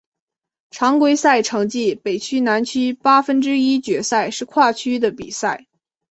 常规赛成绩北区南区八分之一决赛是跨区的比赛。